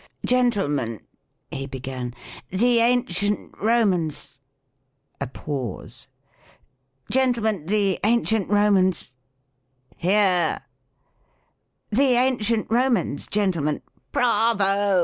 " Gentlemen," he began, " the Ancient Ron^ans," — (A pause,) — "gentlemen, the Ancient Romans," — (Hear!) — "The Ancient Romans, Gentlemen," — (Bravo!